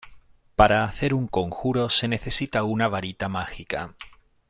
Para hacer un conjuro, se necesita una varita mágica.